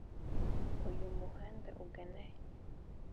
uyu muhanda ugana he?